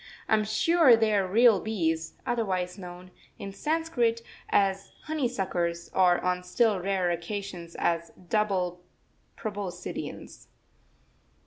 I am sure they are real bees, otherwise known, in Sanskrit, as honey suckers, or on still rarer occasions as double proboscideans.